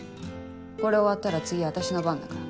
これ終わったら次私の番だから。